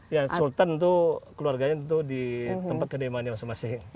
ya sultan itu keluarganya tentu di tempat kediamannya masing masing